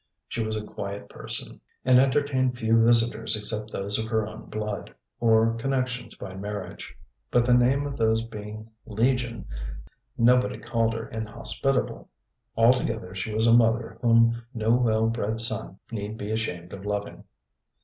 She was a quiet person, and entertained few visitors except those of her own blood, or connections by marriage; but the name of those being legion, nobody called her inhospitable. Altogether she was a mother whom no well bred son need be ashamed of loving.